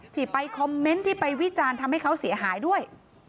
ที่ไปคอมเมนต์ที่ไปวิจารณ์ทำให้เขาเสียหายด้วย